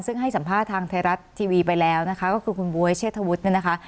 ซึ่งให้สัมภาษณ์ทางไทยรัฐทีวีไปแล้วนะคะก็คือคุณบ๊วยเชษฐวุฒิเนี่ยนะคะ